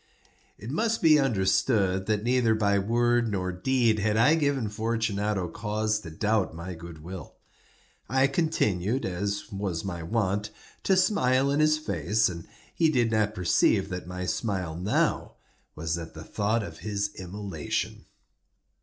It must be understood, that neither by word nor deed had I given Fortunato cause to doubt my good will. I continued, as was my wont, to smile in his face, and he did not perceive that my smile now was at the thought of his immolation.